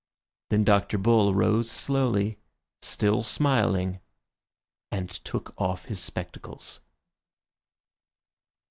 Then Dr. Bull rose slowly, still smiling, and took off his spectacles.